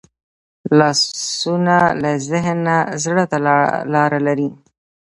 لاسونه له ذهن نه زړه ته لاره لري